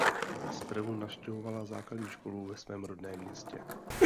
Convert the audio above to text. Zprvu navštěvovala základní školu ve svém rodném městě.